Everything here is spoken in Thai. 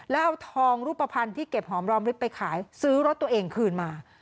แล้วเอาทองรูปภัณฑ์ที่เก็บหอมรอมริบไปขายซื้อรถตัวเองคืนมา